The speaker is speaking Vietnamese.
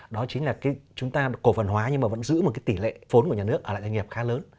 đó chính là chúng ta cổ phần hóa nhưng mà vẫn giữ một cái tỷ lệ phốn của nhà nước ở lại doanh nghiệp khá lớn